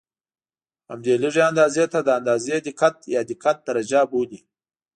همدې لږې اندازې ته د اندازې دقت یا دقت درجه بولي.